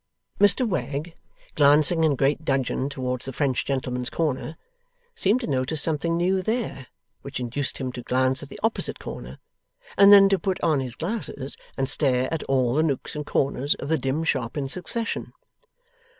Mr Wegg, glancing in great dudgeon towards the French gentleman's corner, seemed to notice something new there, which induced him to glance at the opposite corner, and then to put on his glasses and stare at all the nooks and corners of the dim shop in succession.